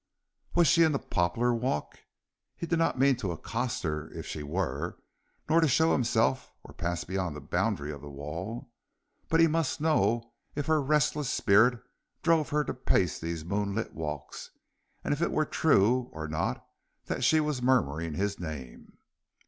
Was she in the poplar walk? He did not mean to accost her if she were, nor to show himself or pass beyond the boundary of the wall, but he must know if her restless spirit drove her to pace these moonlit walks, and if it were true or not that she was murmuring his name.